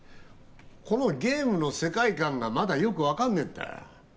このゲームの世界観がまだよく分かんねえんだよ